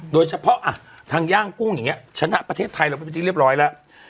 โดยเฉพาะอ่ะทางย่างกุ้งอย่างเงี้ยชนะประเทศไทยเรียบร้อยแล้ว